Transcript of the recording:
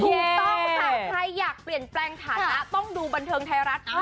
ถูกต้องแต่ใครอยากเปลี่ยนแปลงฐานะต้องดูบันเทิงไทยรัฐ